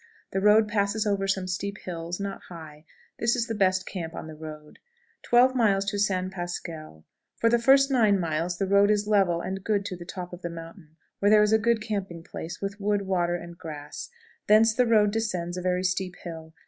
The road passes over some steep hills, not high. This is the best camp on the road. 12.00. San Pasquel. For the first nine miles the road is level and good to the top of the mountain, where there is a good camping place, with wood, water, and grass; thence the road descends a very steep hill.